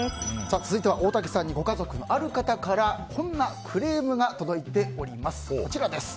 続いては大竹さんのご家族のある方からこんなクレームが届いております。